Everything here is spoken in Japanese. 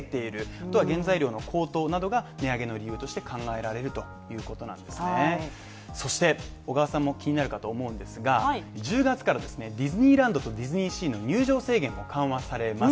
あとは原材料の高騰などが値上げの理由として考えられるということなんですね１０月からですねディズニーランドとディズニーシーの入場制限が緩和されます